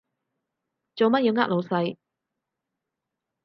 做乜要呃老細？